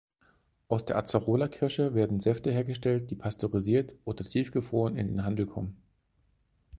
Aus der Acerola-Kirsche werden Säfte hergestellt, die pasteurisiert oder tiefgefroren in den Handel kommen.